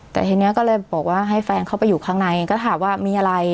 แต่ทีนี้ก็เลยบอกว่าให้แฟนเข้าไปอยู่ข้างในก็ถามว่ามีอะไร